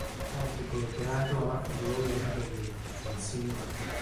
Ha anche collaborato a "Y'all Heard of Me" con C-Murder.